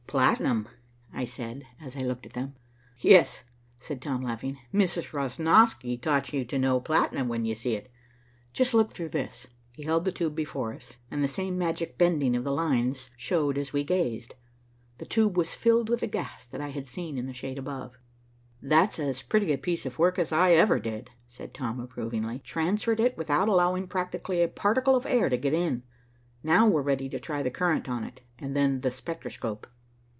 "Platinum," I said, as I looked at them. "Yes," said Tom laughing, "Mrs. Rosnosky taught you to know platinum when you see it. Just look through this." He held the tube before us, and the same magic bending of the lines showed as we gazed. The tube was filled with the gas that I had seen in the shade above. "That's as pretty a piece of work as I ever did," said Tom approvingly. "Transferred it without allowing practically a particle of air to get in. Now we're ready to try the current on it, and then the spectroscope."